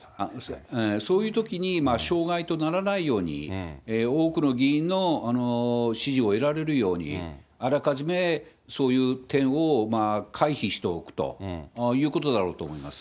そういうときに障害とならないように多くの議員の支持を得られるように、あらかじめそういう点を回避しておくということだろうと思います。